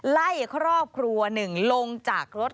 ไล่ครอบครัว๑ลงจากรถ